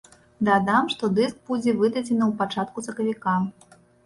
Дадам, што дыск будзе выдадзены ў пачатку сакавіка.